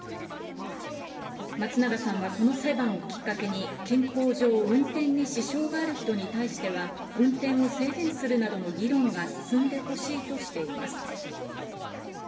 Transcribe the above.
松永さんはこの裁判をきっかけに、健康上、運転に支障がある人に対しては、運転を制限するなどの議論が進んでほしいとしています。